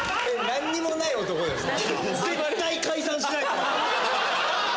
「何も無い男」ですか？